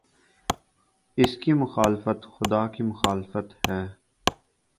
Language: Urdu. اس کی مخالفت خدا کی مخالفت ہے۔